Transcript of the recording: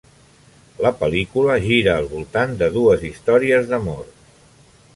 La pel·lícula gira al voltant de dues històries d'amor.